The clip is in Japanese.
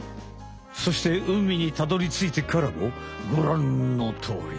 そして海にたどりついてからもごらんのとおり。